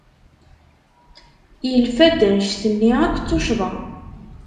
Yelfa-d anect-nni akk d tuccḍa.